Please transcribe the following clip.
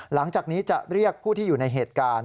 หลังจากนี้จะเรียกผู้ที่อยู่ในเหตุการณ์